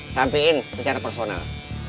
sampein secara personal